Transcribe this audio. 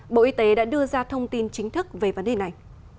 bộ y tế đã đưa ra thông tin chính thức về vấn đề này